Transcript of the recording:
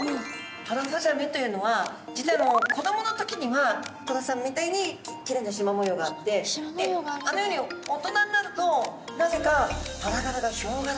トラフザメというのは実はこどもの時にはトラさんみたいにきれいなしま模様があってであのように大人になるとなぜかトラ柄がヒョウ柄になっちゃうんです。